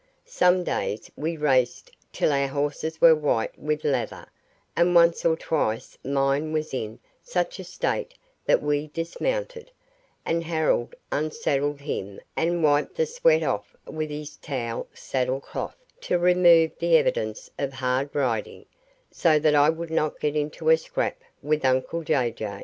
Some days we raced till our horses were white with lather; and once or twice mine was in such a state that we dismounted, and Harold unsaddled him and wiped the sweat off with his towel saddle cloth, to remove the evidence of hard riding, so that I would not get into a scrape with uncle Jay Jay.